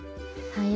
はい。